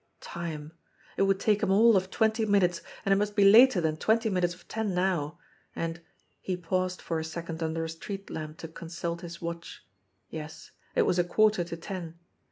Time ! It would take him all of twenty minutes, and it must be later than twenty minutes of ten now, and he paused for a second under a street lamp to consult his watch yes, it was a quarter to ten.